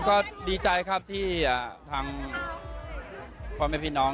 ก็ดีใจครับที่ทางพ่อแม่พี่น้อง